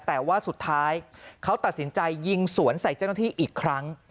แต่ว่าสุดท้ายเขาตัดสินใจยิงสวนใส่เจ้าหน้าที่อีกครั้ง